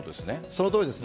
そのとおりです。